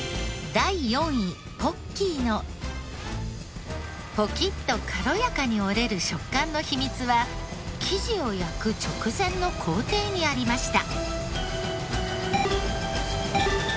第４位ポッキーのポキッと軽やかに折れる食感の秘密は生地を焼く直前の工程にありました。